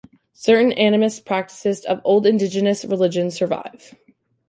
Certain animist practices of old indigenous religions survive.